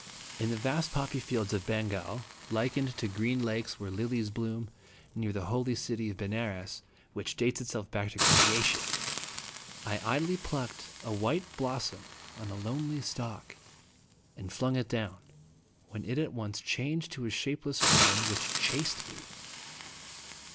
In the vast poppy fields of Bengal, likened to green lakes where lilies bloom, near the holy city of Benares, which dates itself back to creation, I idly plucked a white blos som on a lonely stalk, and flung it down, when it at once changed to a shapeless form, which chased me.